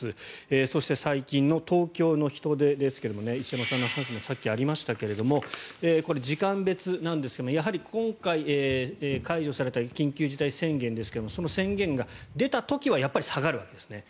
そして、最近の東京の人出ですが石山さんの話でもさっきありましたがこれ、時間別なんですがやはり今回、解除された緊急事態宣言ですがその宣言が出た時はやっぱり下がるわけですね。